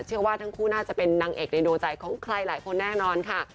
เชื่อว่าทั้งคู่น่าจะเป็นนางเอกในดวงใจของใครหลายคนแน่นอนค่ะ